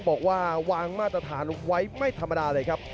บอกว่าวางมาตรฐานไว้ไม่ธรรมดาเลยครับ